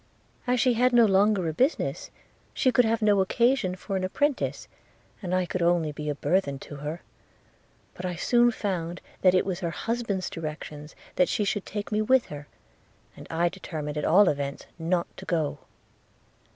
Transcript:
– As she had no longer a business, she could have no occasion for an apprentice, and I could be only a burthen to her; but I soon found that it was her husband's directions that she should take me with her, and I determined at all events not to go.